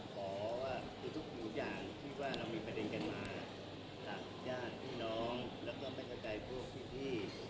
ขอคือทุกอย่างที่ว่าเรามีประเด็นกันมาจากญาติพี่น้องแล้วก็ไม่เข้าใจพวกพี่